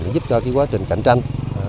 giúp cho quá trình cạnh tranh